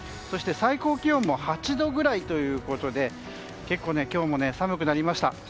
そして最高気温も８度くらいということで結構、今日も寒くなりました。